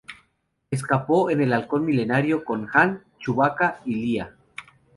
Escapó en el Halcón Milenario con Han, Chewbacca y Leia.